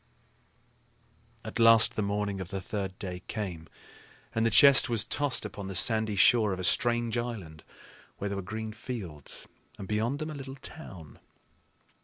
At last the morning of the third day came, and the chest was tossed upon the sandy shore of a strange island where there were green fields and, beyond them, a little town.